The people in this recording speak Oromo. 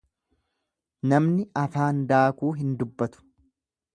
Namni afaan daakuu hin dubbatu.